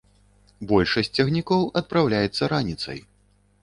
Большасць цягнікоў адпраўляецца раніцай.